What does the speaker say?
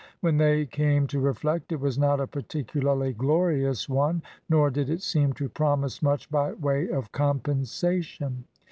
When they came to reflect, it was not a particularly glorious one, nor did it seem to promise much by way of compensation.